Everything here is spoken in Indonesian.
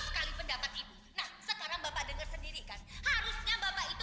sekali pendapat ibu nah sekarang bapak dengar sendiri kan harusnya bapak itu